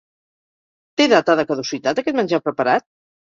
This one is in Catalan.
Té data de caducitat aquest menjar preparat?